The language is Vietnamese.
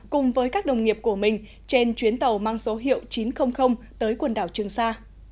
cùng với các đồng nghiệp của mình trên chuyến tàu mang số hiệu chín trăm linh tới quần đảo trường sa